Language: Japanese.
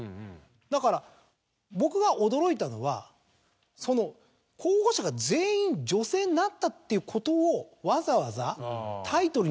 だから僕が驚いたのはその候補者が全員女性になったっていうことを。